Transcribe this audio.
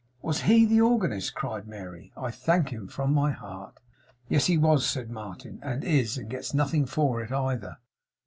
'Was HE the organist?' cried Mary. 'I thank him from my heart!' 'Yes, he was,' said Martin, 'and is, and gets nothing for it either.